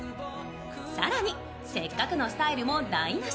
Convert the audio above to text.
更にせっかくのスタイルも台なし。